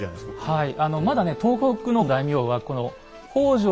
はい。